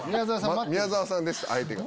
宮沢さんでした相手が。